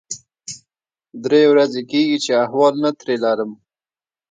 درې ورځې کېږي چې احوال نه ترې لرم.